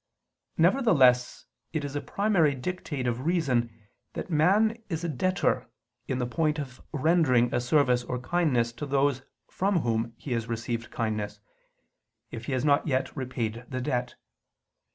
Nevertheless it is a primary dictate of reason that man is a debtor in the point of rendering a service or kindness to those from whom he has received kindness, if he has not yet repaid the debt.